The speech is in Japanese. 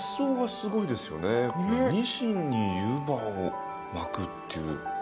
にしんに湯葉を巻くっていう。